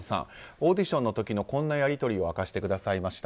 オーディションの時のこんなやり取りを明かしてくださいました。